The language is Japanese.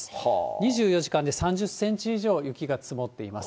２４時間で３０センチ以上雪が積もっています。